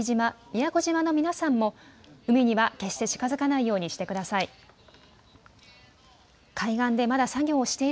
宮古島の皆さんも海には決して近づかないようにしてください。